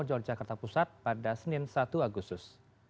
jor jakarta pusat pada senin satu agustus